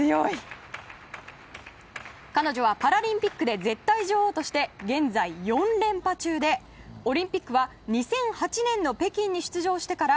彼女はパラリンピックで絶対女王として現在、４連覇中でオリンピックは２００８年の北京に出場してから